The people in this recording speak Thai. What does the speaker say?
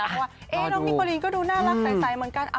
น้องนิโกลีนก็ดูน่ารักใซเหมือนกัน